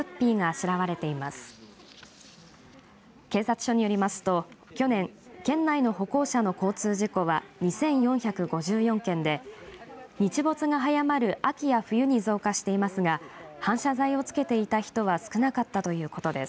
警察署によりますと去年、県内の歩行者の交通事故は２４５４件で日没が早まる秋や冬に増加していますが反射材を付けていた人は少なかったということです。